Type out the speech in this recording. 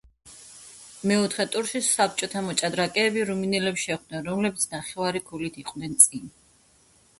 მეოთხე ტურში საბჭოთა მოჭდრაკეები რუმინელებს შეხვდნენ, რომლებიც ნახევარი ქულით იყვნენ წინ.